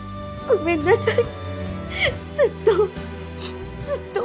ごめんなさい。